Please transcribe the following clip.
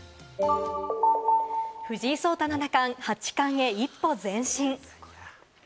藤井聡太七冠、八冠へ一歩前進。